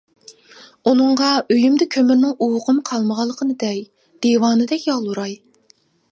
ئۇنىڭغا ئۆيۈمدە كۆمۈرنىڭ ئۇۋىقىمۇ قالمىغانلىقىنى دەي، دىۋانىدەك يالۋۇراي.